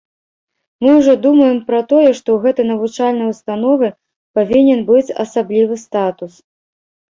Мы ўжо думаем пра тое, што ў гэтай навучальнай установы павінен быць асаблівы статус.